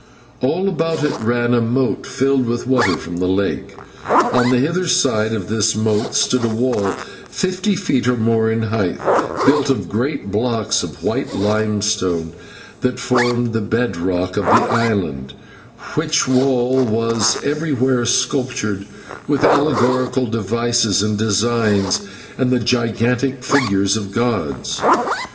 All about it ran a moat filled with water from the lake, and on the hither side of this moat stood a wall fifty feet or more in height, built of great blocks of white limestone that formed the bed rock of the island, which wall was everywhere sculptured with allegorical devices and designs, and the gigantic figures of gods.